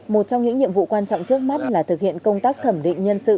một trong những nhiệm vụ quan trọng trước mắt là thực hiện công tác thẩm định nhân sự